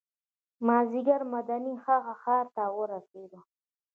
مازدیګر مدینې هغه ښار ته ورسېدو.